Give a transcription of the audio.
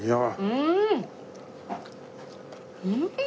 うん！